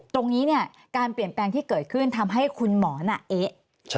ตรงนี้เนี่ยการเปลี่ยนแปลงที่เกิดขึ้นทำให้คุณหมอน่ะเอ๊ะ